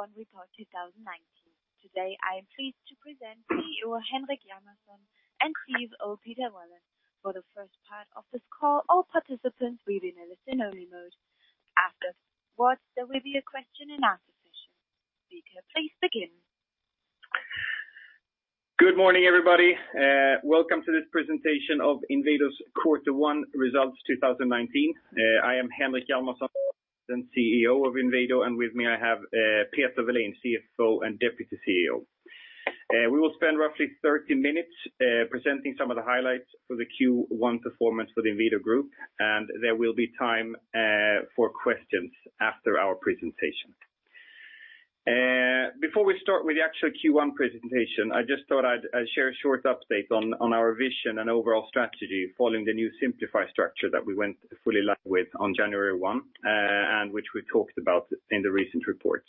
Q1 report 2019. Today, I am pleased to present CEO Henrik Hjalmarsson and CFO Peter Welin. For the first part of this call, all participants will be in a listen-only mode. After, there will be a question and answer session. Speaker, please begin. Good morning, everybody. Welcome to this presentation of Inwido's Q1 results 2019. I am Henrik Hjalmarsson, President and CEO of Inwido, and with me I have Peter Welin, CFO and Deputy CEO. We will spend roughly 30 minutes presenting some of the highlights for the Q1 performance for the Inwido Group, and there will be time for questions after our presentation. Before we start with the actual Q1 presentation, I just thought I'd share a short update on our vision and overall strategy following the new Simplify structure that we went fully live with on January 1, and which we talked about in the recent reports.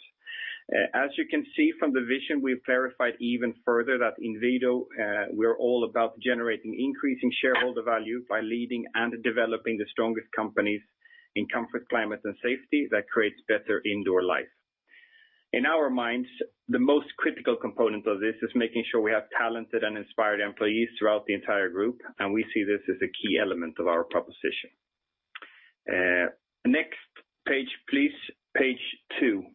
As you can see from the vision, we've clarified even further that Inwido, we're all about generating increasing shareholder value by leading and developing the strongest companies in comfort, climate, and safety that creates better indoor life. In our minds, the most critical component of this is making sure we have talented and inspired employees throughout the entire group. We see this as a key element of our proposition. Next page, please, page two.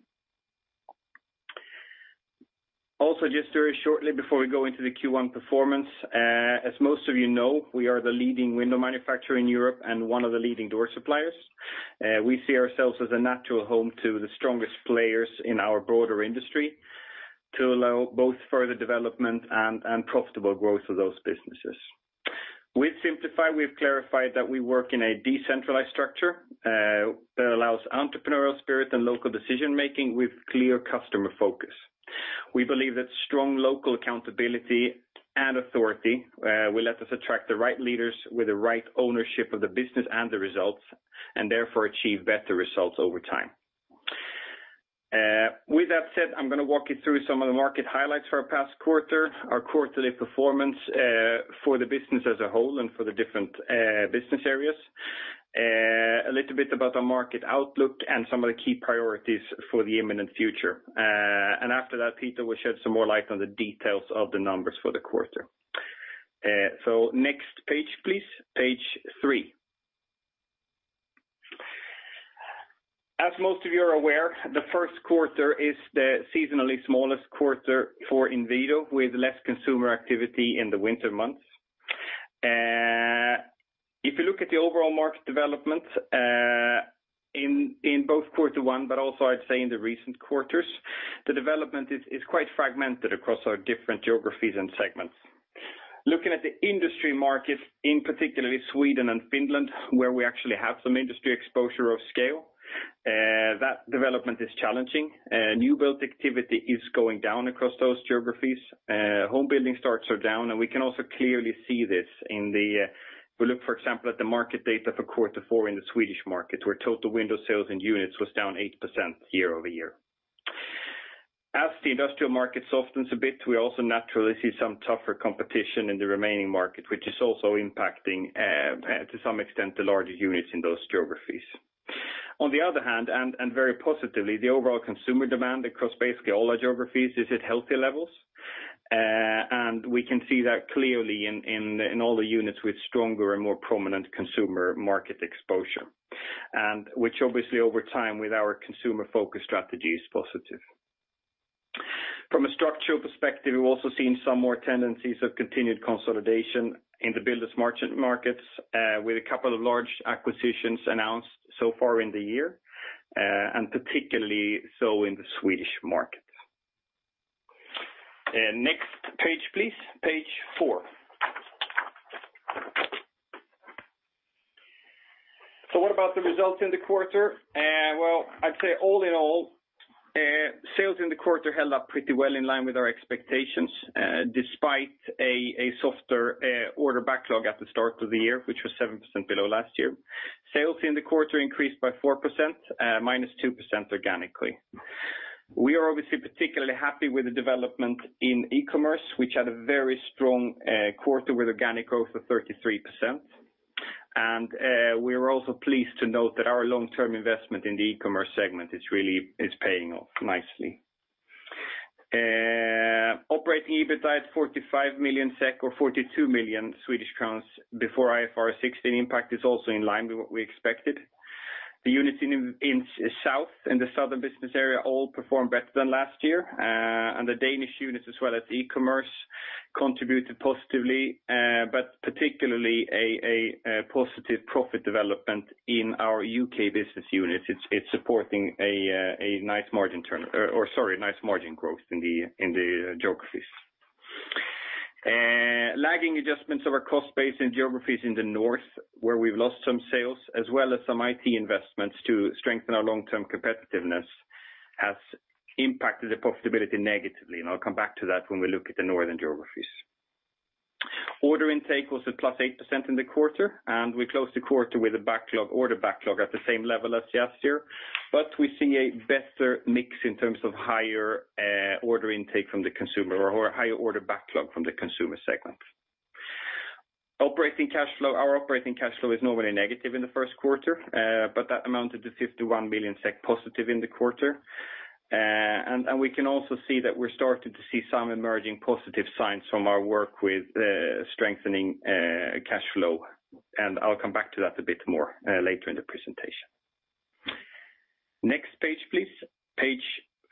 Also, just very shortly before we go into the Q1 performance, as most of you know, we are the leading window manufacturer in Europe and one of the leading door suppliers. We see ourselves as a natural home to the strongest players in our broader industry to allow both further development and profitable growth of those businesses. With Simplify, we've clarified that we work in a decentralized structure that allows entrepreneurial spirit and local decision-making with clear customer focus. We believe that strong local accountability and authority will let us attract the right leaders with the right ownership of the business and the results, therefore achieve better results over time. With that said, I'm going to walk you through some of the market highlights for our past quarter, our quarterly performance for the business as a whole and for the different business areas, a little bit about the market outlook, and some of the key priorities for the imminent future. After that, Peter will shed some more light on the details of the numbers for the quarter. Next page, please, page three. As most of you are aware, the first quarter is the seasonally smallest quarter for Inwido, with less consumer activity in the winter months. If you look at the overall market development in both Q1, but also I'd say in the recent quarters, the development is quite fragmented across our different geographies and segments. Looking at the industry market in particularly Sweden and Finland, where we actually have some industry exposure of scale, that development is challenging. New build activity is going down across those geographies. Home building starts are down, and we can also clearly see this in the If we look, for example, at the market data for quarter four in the Swedish market, where total window sales in units was down 8% year-over-year. As the industrial market softens a bit, we also naturally see some tougher competition in the remaining market, which is also impacting, to some extent, the larger units in those geographies. Very positively, the overall consumer demand across basically all our geographies is at healthy levels. We can see that clearly in all the units with stronger and more prominent consumer market exposure. Which obviously over time with our consumer-focused strategy is positive. From a structural perspective, we've also seen some more tendencies of continued consolidation in the builders merchant markets with a couple of large acquisitions announced so far in the year, and particularly so in the Swedish market. Next page, please, page four. What about the results in the quarter? Well, I'd say all in all, sales in the quarter held up pretty well in line with our expectations, despite a softer order backlog at the start of the year, which was 7% below last year. Sales in the quarter increased by 4%, minus 2% organically. We are obviously particularly happy with the development in e-commerce, which had a very strong quarter with organic growth of 33%. We are also pleased to note that our long-term investment in the e-commerce segment is paying off nicely. Operating EBITDA at 45 million SEK or 42 million Swedish crowns before IFRS 16 impact is also in line with what we expected. The units in the southern business area all performed better than last year. The Danish units as well as e-commerce contributed positively. Particularly a positive profit development in our U.K. business units. It's supporting a nice margin growth in the geographies. Lagging adjustments of our cost base in geographies in the north, where we've lost some sales as well as some IT investments to strengthen our long-term competitiveness, has impacted the profitability negatively, and I'll come back to that when we look at the northern geographies. Order intake was at +8% in the quarter, and we closed the quarter with a backlog order at the same level as last year. We see a better mix in terms of higher order intake from the consumer or higher order backlog from the consumer segment. Operating cash flow. Our operating cash flow is normally negative in the first quarter, but that amounted to 51 million SEK positive in the quarter. We can also see that we're starting to see some emerging positive signs from our work with strengthening cash flow, and I'll come back to that a bit more later in the presentation. Next page, please. Page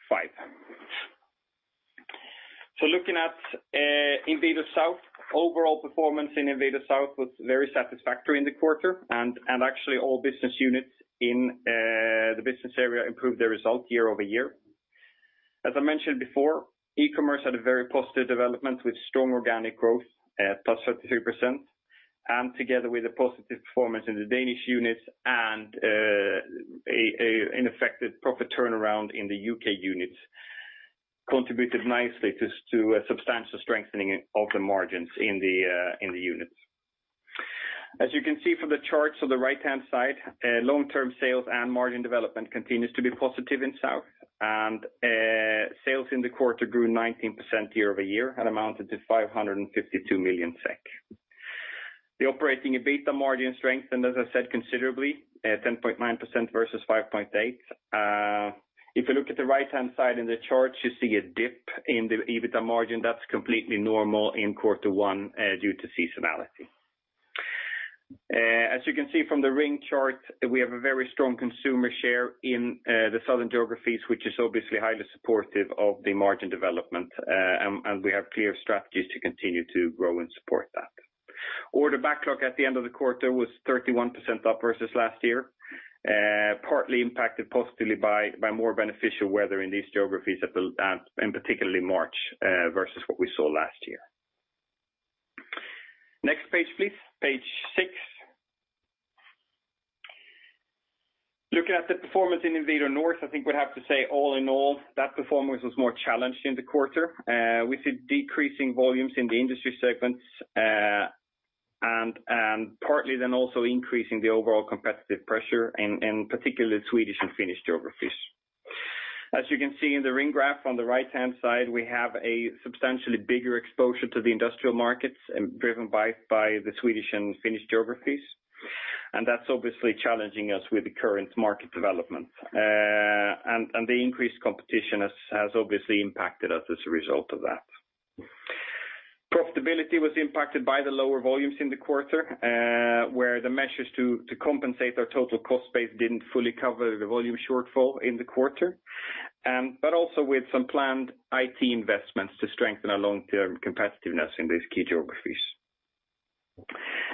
five. Looking at Inwido South, overall performance in Inwido South was very satisfactory in the quarter. Actually all business units in the business area improved their result year-over-year. As I mentioned before, e-commerce had a very positive development with strong organic growth at +33%, and together with a positive performance in the Danish units and an effective profit turnaround in the U.K. units, contributed nicely to a substantial strengthening of the margins in the units. As you can see from the charts on the right-hand side, long-term sales and margin development continues to be positive in South. Sales in the quarter grew 19% year-over-year and amounted to 552 million SEK. The operating EBITDA margin strengthened, as I said, considerably at 10.9% versus 5.8%. If you look at the right-hand side in the chart, you see a dip in the EBITDA margin. That's completely normal in Q1 due to seasonality. As you can see from the ring chart, we have a very strong consumer share in the southern geographies, which is obviously highly supportive of the margin development, and we have clear strategies to continue to grow and support that. Order backlog at the end of the quarter was 31% up versus last year, partly impacted positively by more beneficial weather in these geographies in particularly March versus what we saw last year. Next page, please. Page six. Looking at the performance in Inwido North, I think we'd have to say all in all, that performance was more challenged in the quarter. We see decreasing volumes in the industry segments, and partly then also increase in the overall competitive pressure, in particular the Swedish and Finnish geographies. As you can see in the ring graph on the right-hand side, we have a substantially bigger exposure to the industrial markets driven by the Swedish and Finnish geographies, and that's obviously challenging us with the current market development. The increased competition has obviously impacted us as a result of that. Profitability was impacted by the lower volumes in the quarter, where the measures to compensate our total cost base didn't fully cover the volume shortfall in the quarter. Also with some planned IT investments to strengthen our long-term competitiveness in these key geographies.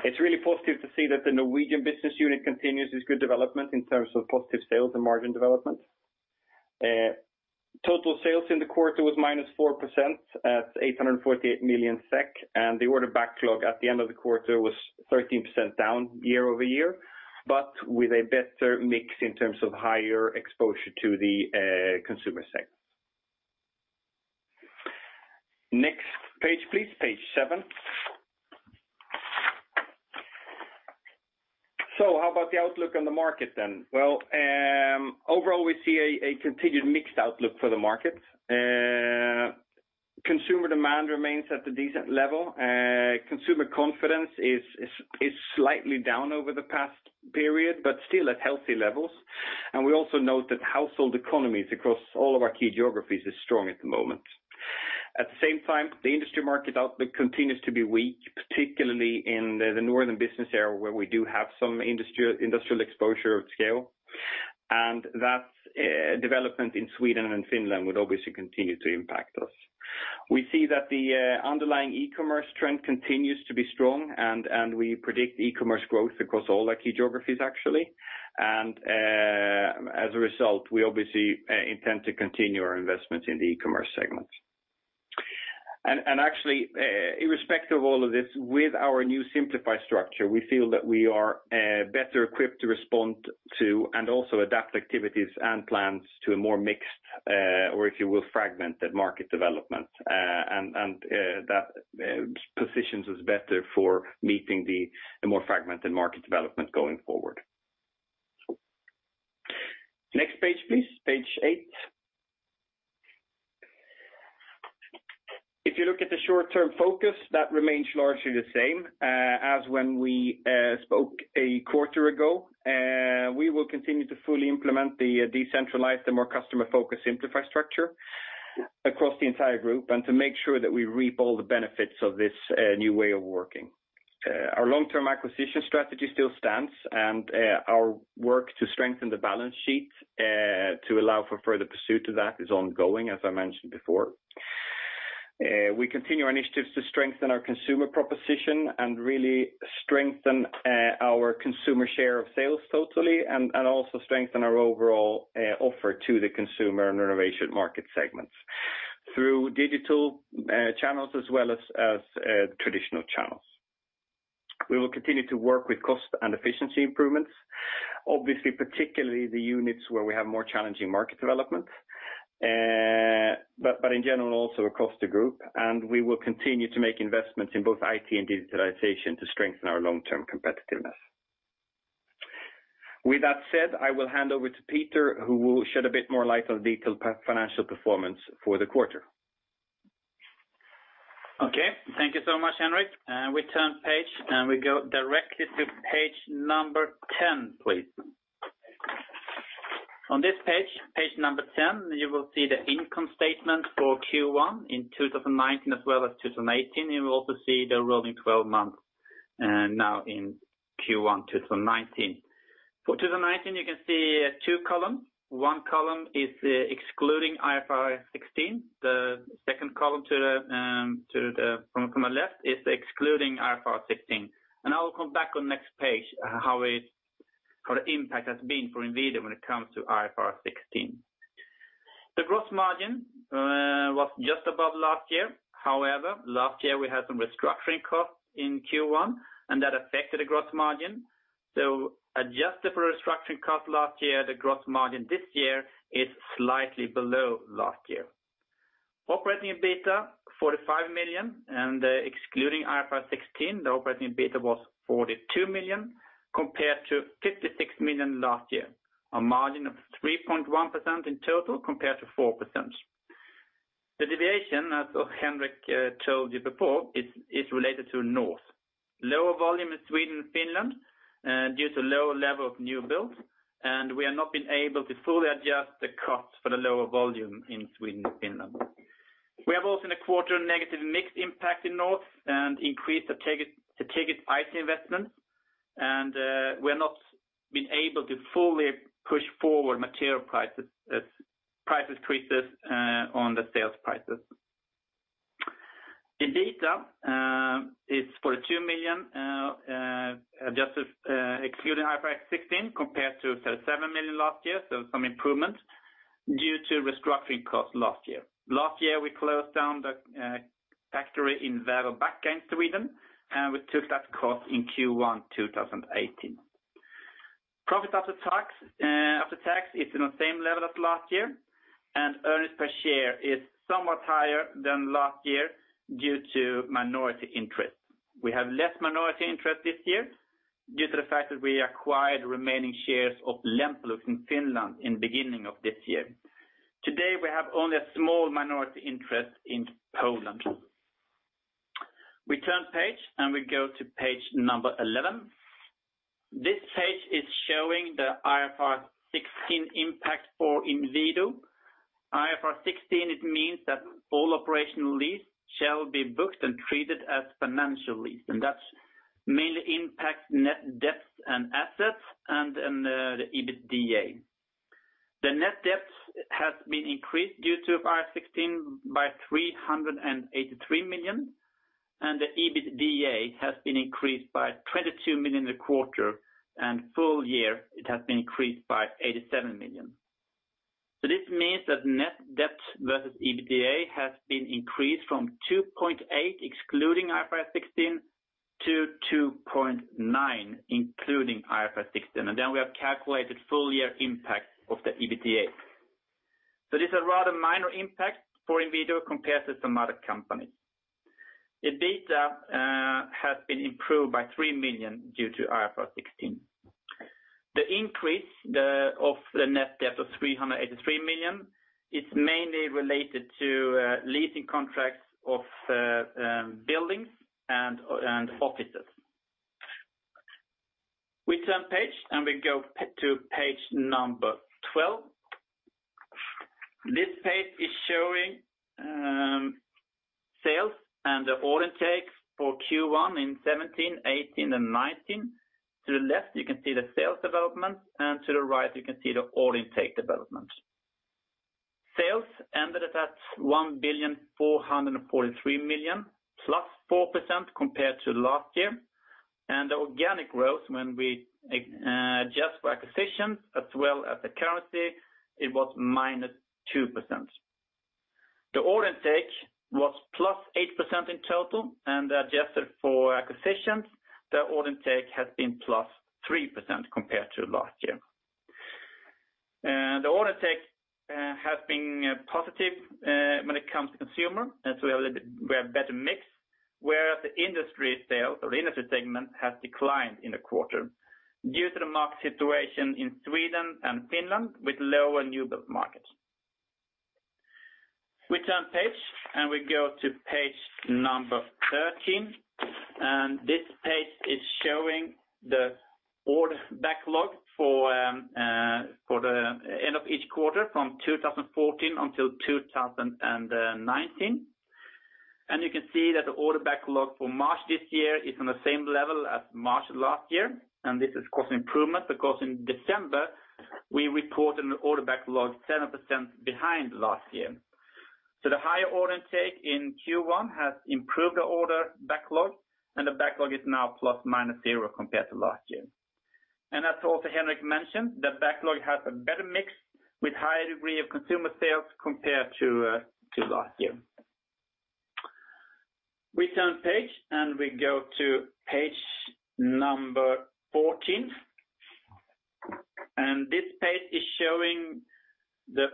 It's really positive to see that the Norwegian business unit continues its good development in terms of positive sales and margin development. Total sales in the quarter was -4% at 848 million SEK, and the order backlog at the end of the quarter was 13% down year-over-year, but with a better mix in terms of higher exposure to the consumer segment. Next page, please. Page seven. How about the outlook on the market then? Well, overall, we see a continued mixed outlook for the market. Consumer demand remains at a decent level. Consumer confidence is slightly down over the past period, but still at healthy levels. We also note that household economies across all of our key geographies is strong at the moment. At the same time, the industry market outlook continues to be weak, particularly in the Northern business area where we do have some industrial exposure of scale, and that development in Sweden and Finland would obviously continue to impact us. We see that the underlying e-commerce trend continues to be strong and we predict e-commerce growth across all our key geographies actually. As a result, we obviously intend to continue our investments in the e-commerce segment. Actually, irrespective of all of this, with our new Simplify structure, we feel that we are better equipped to respond to and also adapt activities and plans to a more mixed, or if you will, fragmented market development. That positions us better for meeting the more fragmented market development going forward. Next page, please. Page eight. If you look at the short-term focus, that remains largely the same as when we spoke a quarter ago. We will continue to fully implement the decentralized and more customer-focused Simplify structure across the entire group and to make sure that we reap all the benefits of this new way of working. Our long-term acquisition strategy still stands, and our work to strengthen the balance sheet to allow for further pursuit of that is ongoing, as I mentioned before. We continue our initiatives to strengthen our consumer proposition and really strengthen our consumer share of sales totally and also strengthen our overall offer to the consumer and renovation market segments through digital channels as well as traditional channels. We will continue to work with cost and efficiency improvements, obviously particularly the units where we have more challenging market developments, but in general, also across the group. We will continue to make investments in both IT and digitalization to strengthen our long-term competitiveness. With that said, I will hand over to Peter, who will shed a bit more light on detailed financial performance for the quarter. Okay. Thank you so much, Henrik. We turn page, and we go directly to page number 10, please. On this page number 10, you will see the income statement for Q1 in 2019 as well as 2018. You will also see the rolling 12-month now in Q1 2019. For 2019, you can see two columns. One column is excluding IFRS 16. The second column from the left is excluding IFRS 16. I will come back on next page how the impact has been for Inwido when it comes to IFRS 16. The gross margin was just above last year. However, last year we had some restructuring costs in Q1, and that affected the gross margin. Adjusted for restructuring costs last year, the gross margin this year is slightly below last year. Operating EBITDA, 45 million, and excluding IFRS 16, the operating EBITDA was 42 million compared to 56 million last year. A margin of 3.1% in total compared to 4%. The deviation, as Henrik told you before, is related to North. Lower volume in Sweden and Finland due to lower level of new builds, and we have not been able to fully adjust the costs for the lower volume in Sweden and Finland. We have also in the quarter a negative mix impact in North and increased the strategic IT investment, and we have not been able to fully push forward material prices, price increases on the sales prices. The EBITDA is 42 million excluding IFRS 16 compared to 37 million last year, so some improvement due to restructuring costs last year. Last year, we closed down the factory in Väröbacka, Sweden, and we took that cost in Q1 2018. Profit after tax is on the same level as last year. Earnings per share is somewhat higher than last year due to minority interest. We have less minority interest this year due to the fact that we acquired remaining shares of Lämpölux in Finland in the beginning of this year. Today, we have only a small minority interest in Poland. We turn page. We go to page 11. This page is showing the IFRS 16 impact for Inwido. IFRS 16 means that all operational lease shall be booked and treated as financial lease, and that mainly impacts net debt and assets and the EBITDA. The net debt has been increased due to IFRS 16 by 383 million, and the EBITDA has been increased by 22 million a quarter, and full year it has been increased by 87 million. This means that net debt versus EBITDA has been increased from 2.8 excluding IFRS 16 to 2.9 including IFRS 16. We have calculated full year impact of the EBITDA. This is a rather minor impact for Inwido compared to some other companies. The EBITDA has been improved by 3 million due to IFRS 16. The increase of the net debt of 383 million is mainly related to leasing contracts of buildings and offices. We turn page. We go to page 12. This page is showing sales and the order intake for Q1 in 2017, 2018, and 2019. To the left, you can see the sales development. To the right, you can see the order intake development. Sales ended at 1,443 million, +4% compared to last year. The organic growth, when we adjust for acquisitions as well as the currency, it was -2%. The order intake was +8% in total. Adjusted for acquisitions, the order intake has been +3% compared to last year. The order intake has been positive when it comes to consumer. We have a better mix, whereas the industry sales or industry segment has declined in the quarter due to the market situation in Sweden and Finland with lower new build markets. We turn page. We go to page 13. This page is showing the order backlog for the end of each quarter from 2014 until 2019. You can see that the order backlog for March this year is on the same level as March last year. This is causing improvement because in December, we reported an order backlog 7% behind last year. The higher order intake in Q1 has improved the order backlog, and the backlog is now ±0% compared to last year. As also Henrik mentioned, the backlog has a better mix with higher degree of consumer sales compared to last year. We turn page. We go to page 14. This page is showing the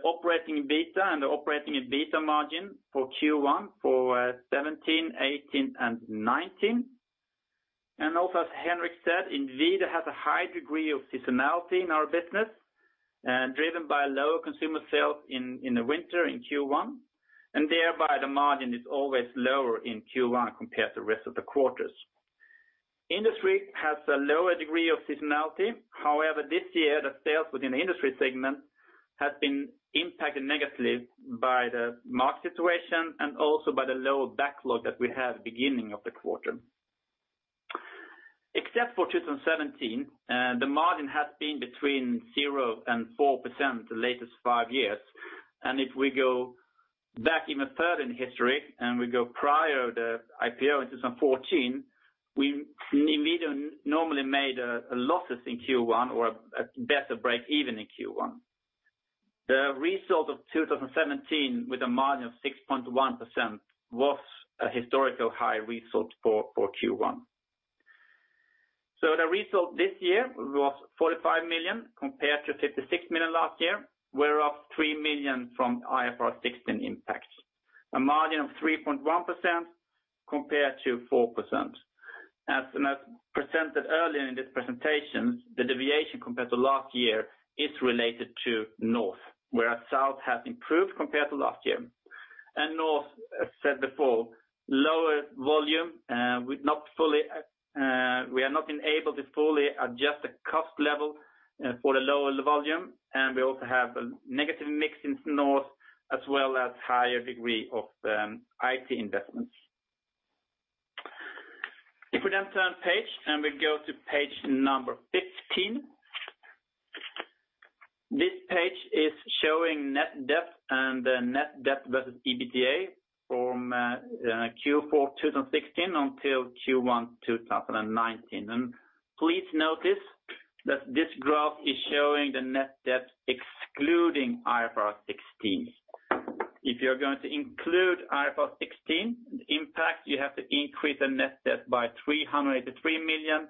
operating EBITDA and the operating EBITDA margin for Q1 for 2017, 2018, and 2019. Also, as Henrik said, Inwido has a high degree of seasonality in our business, driven by lower consumer sales in the winter in Q1, thereby the margin is always lower in Q1 compared to rest of the quarters. Industry has a lower degree of seasonality. However, this year the sales within the industry segment has been impacted negatively by the market situation and also by the lower backlog that we had beginning of the quarter. Except for 2017, the margin has been between 0%-4% the latest 5 years. If we go back even further in history, and we go prior the IPO in 2014, we immediately normally made losses in Q1 or a better break even in Q1. The result of 2017 with a margin of 6.1% was a historical high result for Q1. The result this year was 45 million compared to 56 million last year, whereof 3 million from IFRS 16 impact. A margin of 3.1% compared to 4%. As presented earlier in this presentation, the deviation compared to last year is related to North, whereas South has improved compared to last year. North, as said before, lower volume. We are not enabled to fully adjust the cost level for the lower volume, and we also have a negative mix in North as well as higher degree of IT investments. If we then turn page and we go to page 15. This page is showing net debt and the net debt versus EBITDA from Q4 2016 until Q1 2019. Please notice that this graph is showing the net debt excluding IFRS 16. If you're going to include IFRS 16 impact, you have to increase the net debt by 383 million,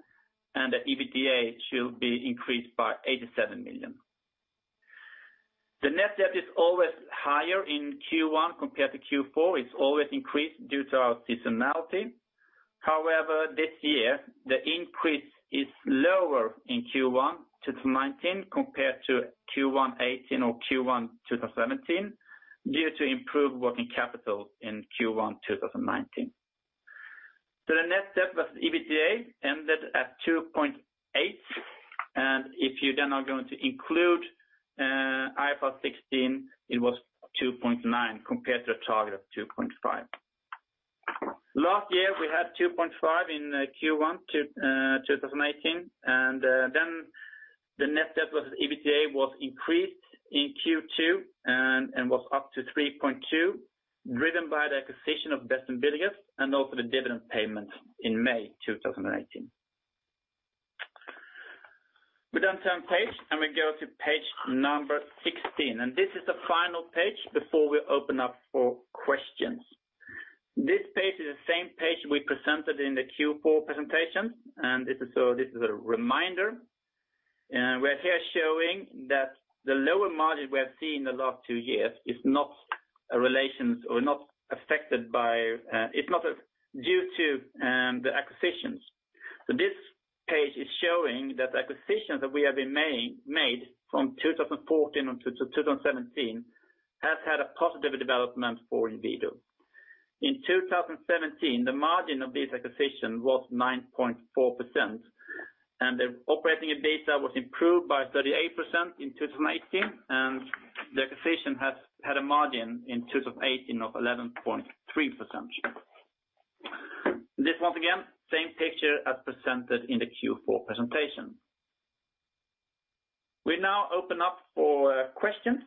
and the EBITDA should be increased by 87 million. The net debt is always higher in Q1 compared to Q4. It's always increased due to our seasonality. However, this year the increase is lower in Q1 2019 compared to Q1 2018 or Q1 2017 due to improved working capital in Q1 2019. The net debt versus EBITDA ended at 2.8, and if you then are going to include IFRS 16, it was 2.9 compared to a target of 2.5. Last year we had 2.5 in Q1 2018, then the net debt versus EBITDA was increased in Q2 and was up to 3.2, driven by the acquisition of Bedst & Billigst and also the dividend payment in May 2018. We then turn page and we go to page 16. This is the final page before we open up for questions. This page is the same page we presented in the Q4 presentation. This is a reminder. This page is showing that acquisitions that we have made from 2014-2017 have had a positive development for Inwido. In 2017, the margin of this acquisition was 9.4%. The operating EBITDA was improved by 38% in 2018, the acquisition had a margin in 2018 of 11.3%. This once again, same picture as presented in the Q4 presentation. We now open up for questions.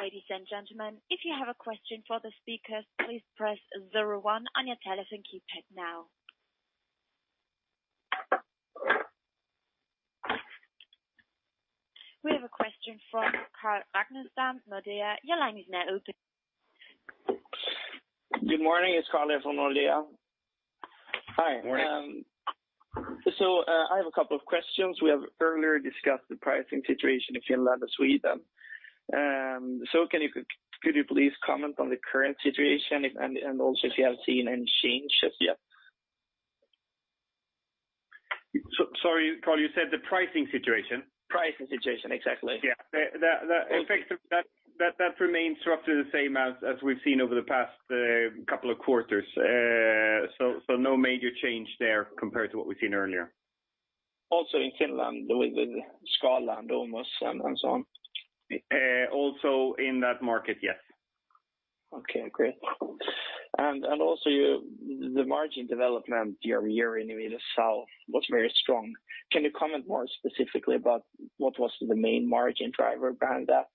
Ladies and gentlemen, if you have a question for the speakers, please press 01 on your telephone keypad now. We have a question from Carl Ragnerstam, Nordea. Your line is now open. Good morning. It's Carl here from Nordea. Hi. Morning. I have a couple of questions. We have earlier discussed the pricing situation in Finland and Sweden. Could you please comment on the current situation and also if you have seen any changes yet? Sorry, Carl, you said the pricing situation? Pricing situation, exactly. Yeah. That remains roughly the same as we've seen over the past couple of quarters. No major change there compared to what we've seen earlier. Also in Finland, within skyline almost and so on? Also in that market, yes. Also, the margin development year-over-year in Inwido South was very strong. Can you comment more specifically about what was the main margin driver behind that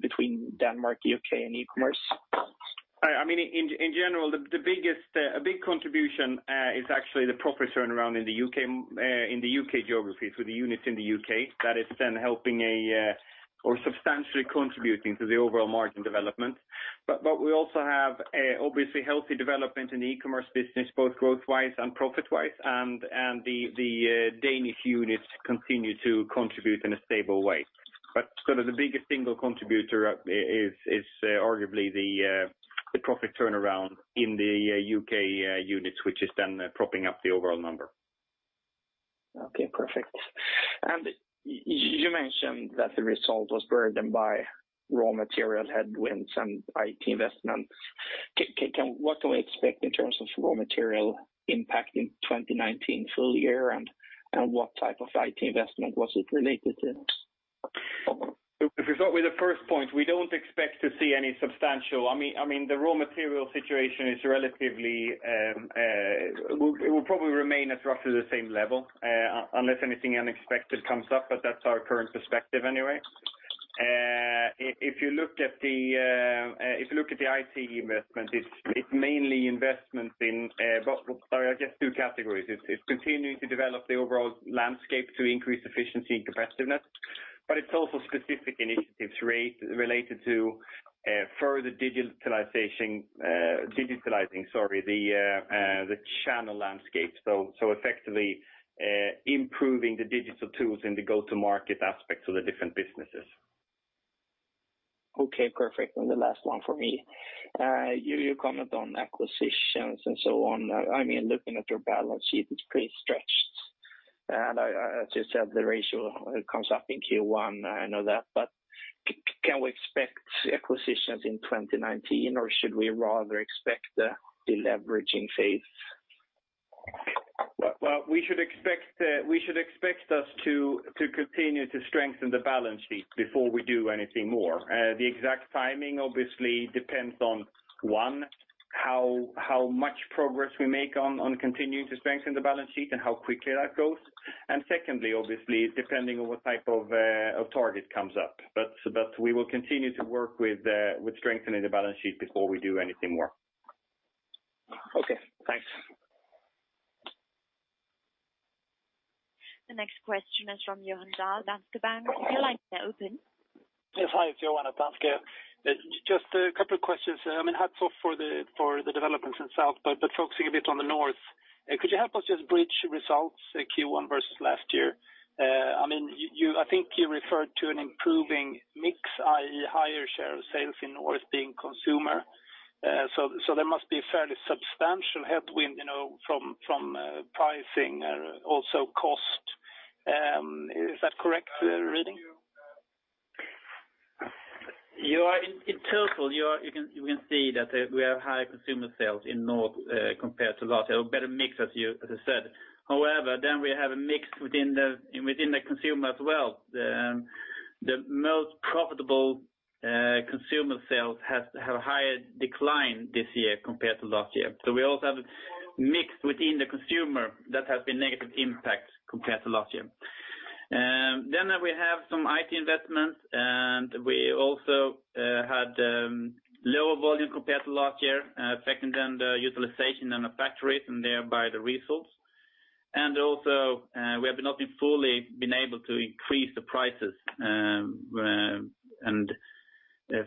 between Denmark, U.K., and e-commerce? In general, a big contribution is actually the proper turnaround in the U.K. geographies with the units in the U.K. That is then helping or substantially contributing to the overall margin development. We also have obviously healthy development in the e-commerce business, both growth-wise and profit-wise, and the Danish units continue to contribute in a stable way. The biggest single contributor is arguably the profit turnaround in the U.K. units, which is then propping up the overall number. Okay, perfect. You mentioned that the result was burdened by raw material headwinds and IT investments. What can we expect in terms of raw material impact in 2019 full year? What type of IT investment was it related to? The raw material situation will probably remain at roughly the same level, unless anything unexpected comes up, but that's our current perspective anyway. If you look at the IT investment, it's mainly investments in, sorry, just 2 categories. It's continuing to develop the overall landscape to increase efficiency and competitiveness, but it's also specific initiatives related to further digitalizing the channel landscape. Effectively, improving the digital tools in the go-to market aspects of the different businesses. Okay, perfect. The last one for me. You comment on acquisitions and so on. Looking at your balance sheet, it's pretty stretched. As you said, the ratio comes up in Q1, I know that, can we expect acquisitions in 2019, or should we rather expect a deleveraging phase? Well, we should expect us to continue to strengthen the balance sheet before we do anything more. The exact timing obviously depends on, one, how much progress we make on continuing to strengthen the balance sheet and how quickly that goes. Secondly, obviously, depending on what type of target comes up. We will continue to work with strengthening the balance sheet before we do anything more. Okay, thanks. The next question is from Johan Dahl, Danske Bank. Your line is now open. Yes. Hi, Johan at Danske. Just a couple of questions. Hats off for the developments in Inwido South, but focusing a bit on Inwido North. Could you help us just bridge results Q1 versus last year? I think you referred to an improving mix, i.e. higher share of sales in Inwido North being consumer. There must be fairly substantial headwind from pricing, also cost. Is that correct reading? In total, you can see that we have higher consumer sales in Inwido North compared to last year, or better mix as I said. However, we have a mix within the consumer as well. The most profitable consumer sales have higher decline this year compared to last year. We also have a mix within the consumer that has been negative impact compared to last year. We have some IT investments, and we also had lower volume compared to last year, affecting then the utilization and the factories and thereby the results. Also we have not been fully been able to increase the prices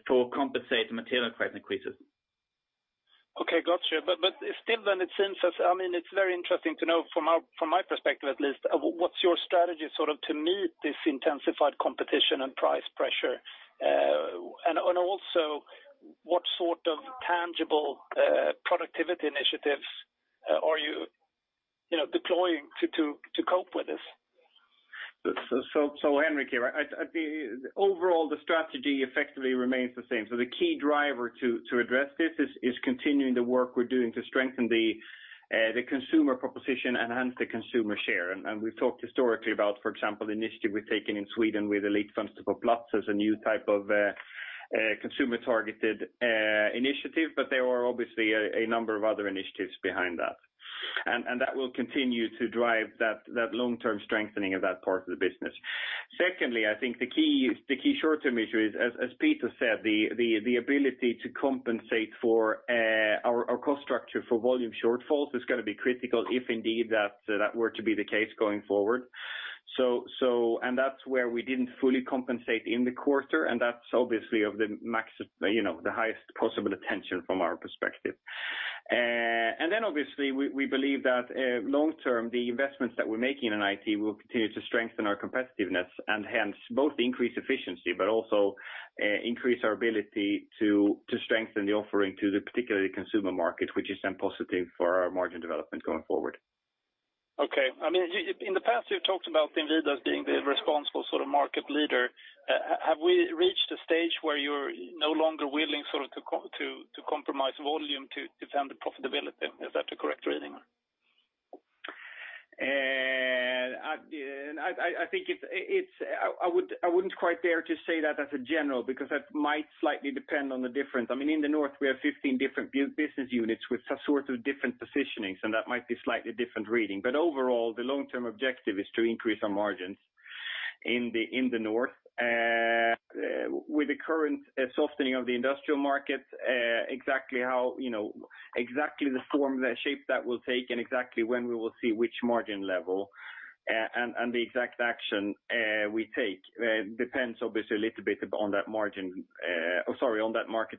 to compensate the material price increases. Okay. Got you. Still then it seems It's very interesting to know from my perspective at least, what's your strategy to meet this intensified competition and price pressure? Also what sort of tangible productivity initiatives are you deploying to cope with this? Henrik here. Overall, the strategy effectively remains the same. The key driver to address this is continuing the work we're doing to strengthen the consumer proposition and hence the consumer share. We've talked historically about, for example, the initiative we've taken in Sweden with Elitfönster Stoppa Blåsten as a new type of consumer-targeted initiative, but there are obviously a number of other initiatives behind that. That will continue to drive that long-term strengthening of that part of the business. Secondly, I think the key short-term issue is, as Peter said, the ability to compensate for our cost structure for volume shortfalls is going to be critical if indeed that were to be the case going forward. That's where we didn't fully compensate in the quarter, and that's obviously of the highest possible attention from our perspective. Obviously we believe that long term, the investments that we're making in IT will continue to strengthen our competitiveness and hence both increase efficiency, but also increase our ability to strengthen the offering to the particularly consumer market, which is then positive for our margin development going forward. Okay. In the past you've talked about Inwido as being the responsible market leader. Have we reached a stage where you're no longer willing to compromise volume to defend the profitability? Is that a correct reading? I wouldn't quite dare to say that as a general, because that might slightly depend on the difference. In the North, we have 15 different business units with some sort of different positionings, and that might be slightly different reading. Overall, the long-term objective is to increase our margins in the North. With the current softening of the industrial markets, exactly the form and shape that will take and exactly when we will see which margin level and the exact action we take depends obviously a little bit on that market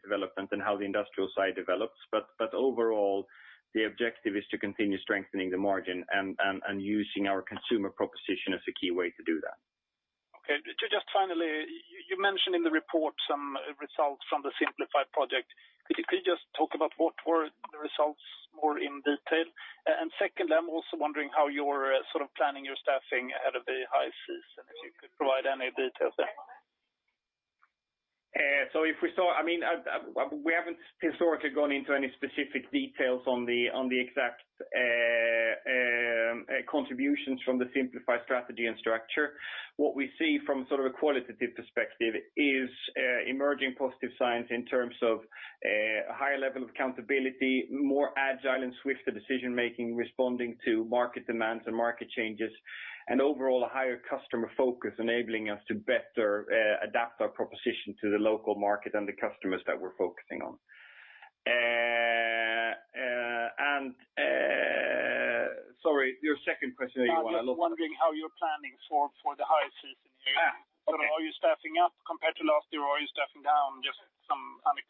development and how the industrial side develops. Overall, the objective is to continue strengthening the margin and using our consumer proposition as a key way to do that. Okay. Just finally, you mentioned in the report some results from the Simplify project. Could you please just talk about what were the results more in detail? Secondly, I'm also wondering how you're planning your staffing ahead of the high season, if you could provide any details there. We haven't historically gone into any specific details on the exact contributions from the Simplify strategy and structure. What we see from a qualitative perspective is emerging positive signs in terms of a higher level of accountability, more agile and swifter decision-making, responding to market demands and market changes, and overall a higher customer focus, enabling us to better adapt our proposition to the local market and the customers that we're focusing on. Sorry, your second question? I'm just wondering how you're planning for the high season. Okay. Are you staffing up compared to last year, or are you staffing down? Just some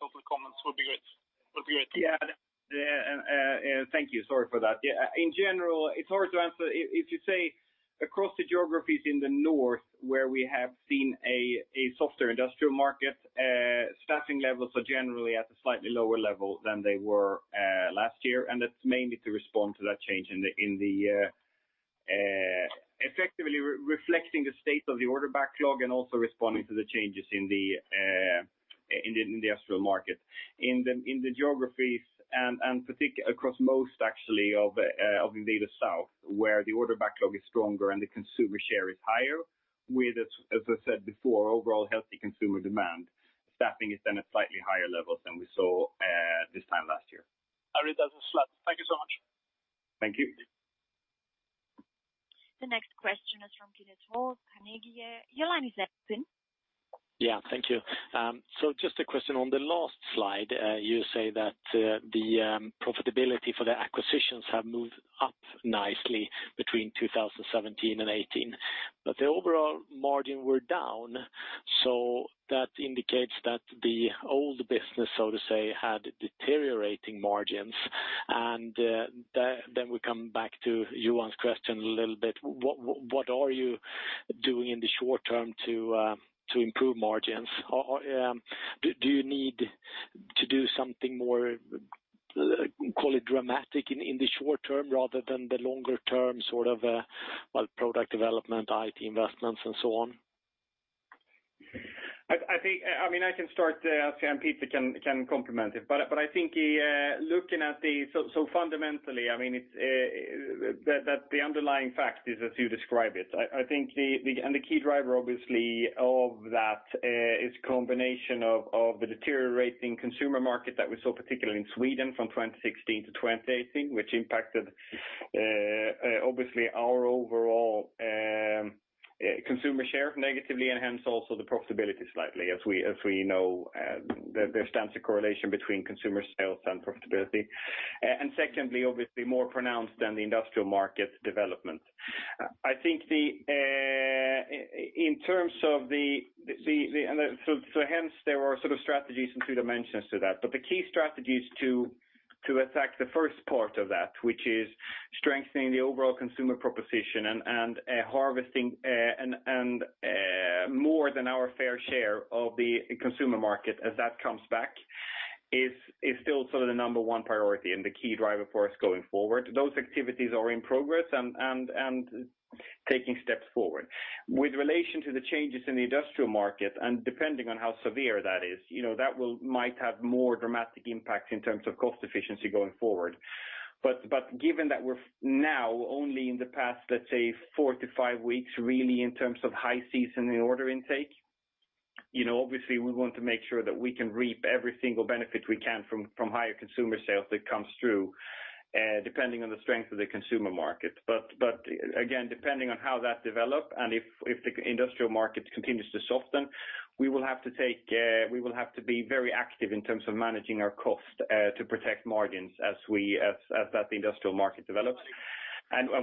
couple comments would be great. Yeah. Thank you. Sorry for that. Yeah. In general, it's hard to answer. If you say across the geographies in Inwido North, where we have seen a softer industrial market, staffing levels are generally at a slightly lower level than they were last year, and that's mainly to respond to that change effectively reflecting the state of the order backlog and also responding to the changes in the industrial market. In the geographies and across most actually of Inwido South, where the order backlog is stronger and the consumer share is higher with, as I said before, overall healthy consumer demand, staffing is then at slightly higher levels than we saw this time last year. All right. That's a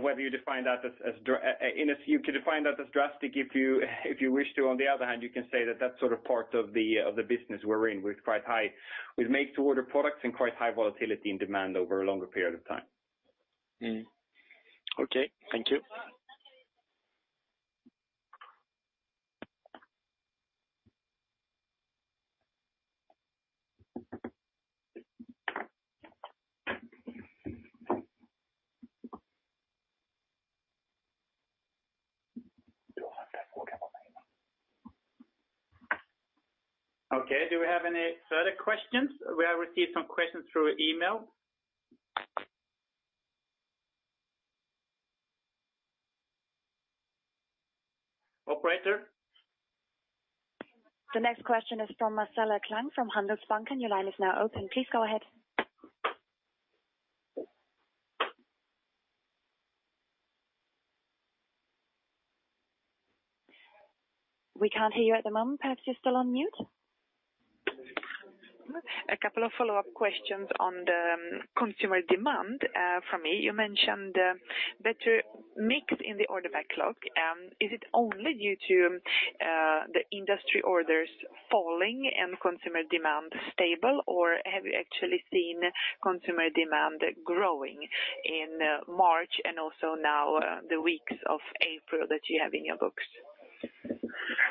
Okay. Do we have any further questions? We have received some questions through email. Operator? The next question is from Marcela Klang from Handelsbanken. Your line is now open. Please go ahead. We can't hear you at the moment. Perhaps you're still on mute? A couple of follow-up questions on the consumer demand from me. You mentioned better mix in the order backlog. Is it only due to the industry orders falling and consumer demand stable? Or have you actually seen consumer demand growing in March and also now the weeks of April that you have in your books?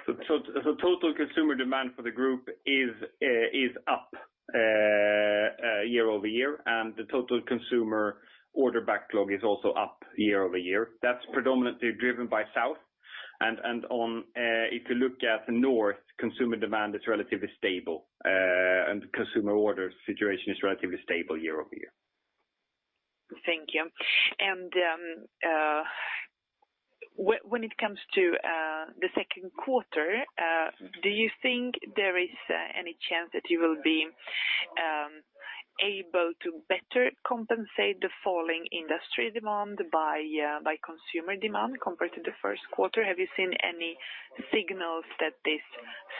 The total consumer demand for the group is up year-over-year, the total consumer order backlog is also up year-over-year. That's predominantly driven by South. If you look at the North, consumer demand is relatively stable, consumer order situation is relatively stable year-over-year. Thank you. When it comes to the second quarter, do you think there is any chance that you will be able to better compensate the falling industry demand by consumer demand compared to the first quarter? Have you seen any signals that this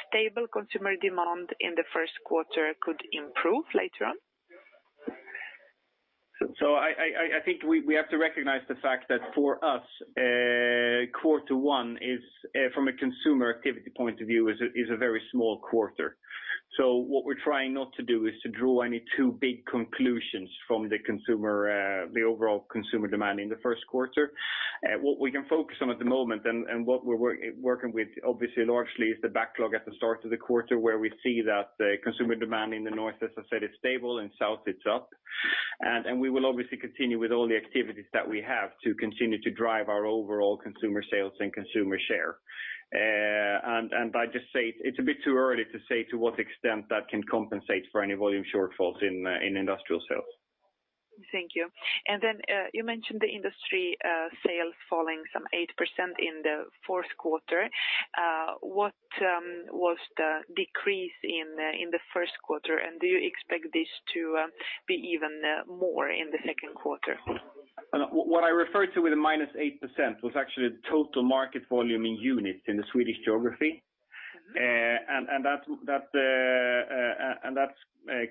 stable consumer demand in the first quarter could improve later on? I think we have to recognize the fact that for us, quarter one from a consumer activity point of view is a very small quarter. What we're trying not to do is to draw any two big conclusions from the overall consumer demand in the first quarter. What we can focus on at the moment and what we're working with, obviously, largely is the backlog at the start of the quarter, where we see that the consumer demand in the North, as I said, is stable and South, it's up. We will obviously continue with all the activities that we have to continue to drive our overall consumer sales and consumer share. I just say it's a bit too early to say to what extent that can compensate for any volume shortfalls in industrial sales. Thank you. Then you mentioned the industry sales falling some 8% in the fourth quarter. What was the decrease in the first quarter? Do you expect this to be even more in the second quarter? What I referred to with the minus 8% was actually the total market volume in units in the Swedish geography. That's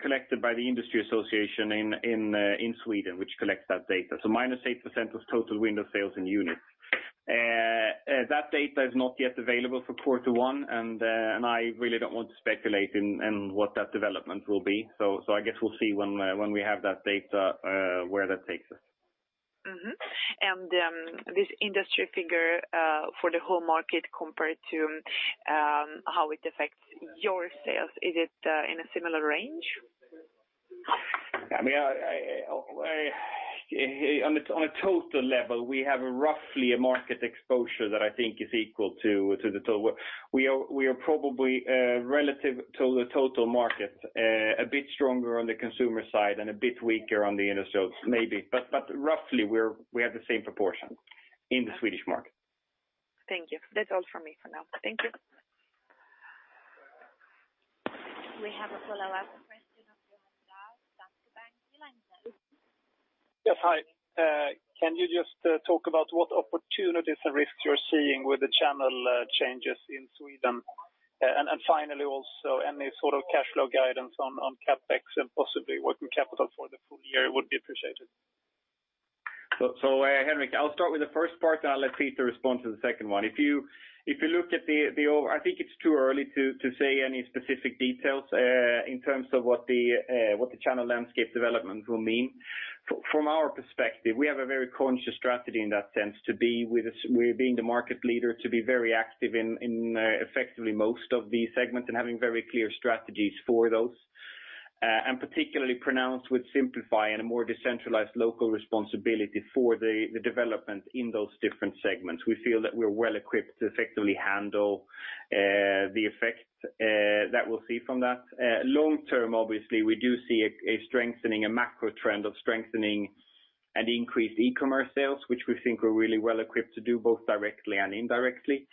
collected by the industry association in Sweden, which collects that data. Minus 8% was total window sales in units. That data is not yet available for quarter one, I really don't want to speculate in what that development will be. I guess we'll see when we have that data where that takes us. Mm-hmm. This industry figure for the whole market compared to how it affects your sales, is it in a similar range? I mean, on a total level, we have roughly a market exposure that I think is equal to the total. We are probably relative to the total market, a bit stronger on the consumer side and a bit weaker on the end of sales maybe. Roughly, we have the same proportion in the Swedish market. Thank you. That's all from me for now. Thank you. We have a follow-up question of Johan Dahl, Danske Bank. Your line is open. Yes. Hi. Can you just talk about what opportunities and risks you're seeing with the channel changes in Sweden? Finally, also, any sort of cash flow guidance on CapEx and possibly working capital for the full year would be appreciated. Henrik, I'll start with the first part, and I'll let Peter respond to the second one. I think it's too early to say any specific details in terms of what the channel landscape development will mean. From our perspective, we have a very conscious strategy in that sense to being the market leader, to be very active in effectively most of these segments and having very clear strategies for those. Particularly pronounced with Simplify and a more decentralized local responsibility for the development in those different segments. We feel that we're well equipped to effectively handle the effects that we'll see from that. Long term, obviously, we do see a strengthening, a macro trend of strengthening and increased e-commerce sales, which we think we're really well equipped to do, both directly and indirectly.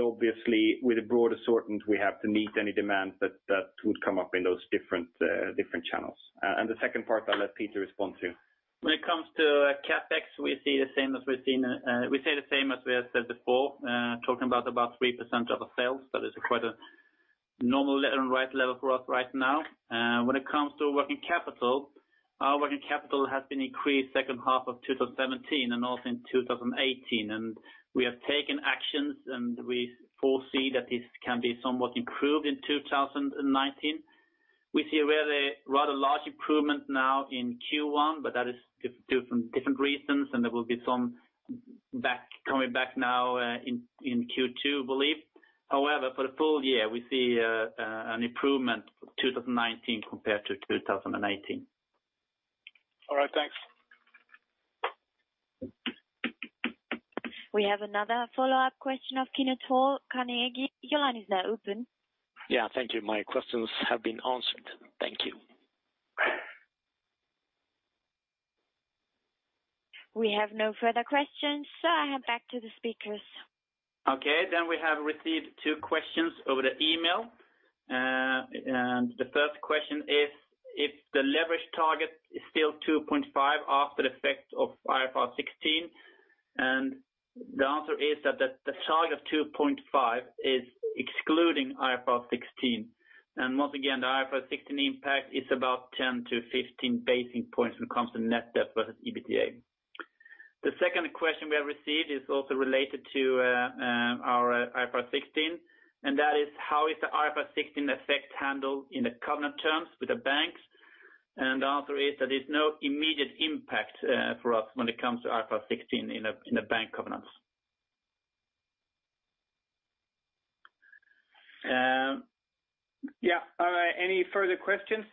Obviously with a broad assortment, we have to meet any demand that would come up in those different channels. The second part I'll let Peter respond to. When it comes to CapEx, we say the same as we have said before, talking about 3% of our sales. That is quite a normal and right level for us right now. When it comes to working capital, our working capital has been increased second half of 2017 and also in 2018. We have taken actions, and we foresee that this can be somewhat improved in 2019. We see a rather large improvement now in Q1, but that is due from different reasons, and there will be some coming back now in Q2, believe. However, for the full year, we see an improvement for 2019 compared to 2018. All right. Thanks. We have another follow-up question of Kenneth Olvåg, Carnegie. Your line is now open. Yeah. Thank you. My questions have been answered. Thank you. We have no further questions, so I hand back to the speakers. Okay, we have received two questions over the email. The first question is if the leverage target is still 2.5 after the effect of IFRS 16? The answer is that the target of 2.5 is excluding IFRS 16. Once again, the IFRS 16 impact is about 10 to 15 basis points when it comes to net debt versus EBITDA. The second question we have received is also related to our IFRS 16, and that is how is the IFRS 16 effect handled in the covenant terms with the banks? The answer is that there's no immediate impact for us when it comes to IFRS 16 in the bank covenants. Yeah. Any further questions?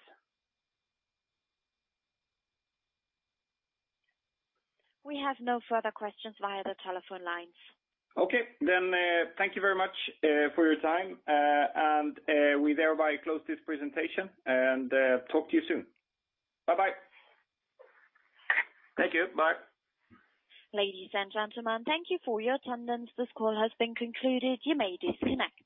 We have no further questions via the telephone lines. Okay, thank you very much for your time, and we thereby close this presentation and talk to you soon. Bye-bye. Thank you. Bye. Ladies and gentlemen, thank you for your attendance. This call has been concluded. You may disconnect.